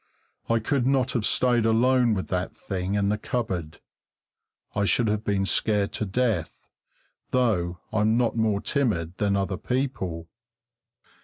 I could not have stayed alone with that thing in the cupboard; I should have been scared to death, though I'm not more timid than other people.